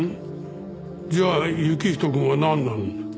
じゃあ行人くんはなんなの？